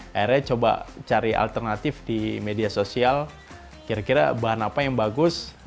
akhirnya coba cari alternatif di media sosial kira kira bahan apa yang bagus